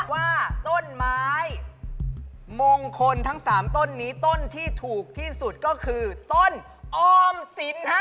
ว่าต้นไม้มงคลทั้ง๓ต้นนี้ต้นที่ถูกที่สุดก็คือต้นออมสินฮะ